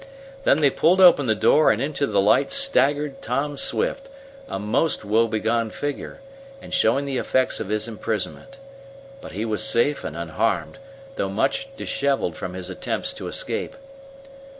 Then they pulled open the door, and into the light staggered Tom Swift, a most woe begone figure, and showing the effects of his imprisonment. But he was safe and unharmed, though much disheveled from his attempts to escape.